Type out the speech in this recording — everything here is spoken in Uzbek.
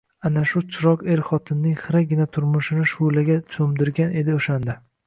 Ana shu chiroq er-xotinning xiragina turmushini shu`laga cho`mdirgan edi o`shanda